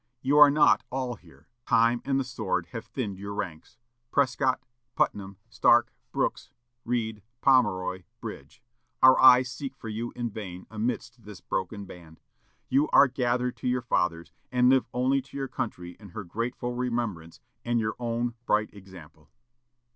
you are not all here! Time and the sword have thinned your ranks. Prescott, Putnam, Stark, Brooks, Read, Pomeroy, Bridge! our eyes seek for you in vain amidst this broken band. You are gathered to your fathers, and live only to your country in her grateful remembrance and your own bright example."